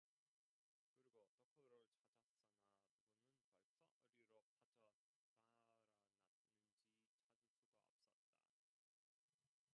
그리고 덕호를 찾았으나 그는 벌써 어디로 빠져 달아났는지 찾을 수가 없었다.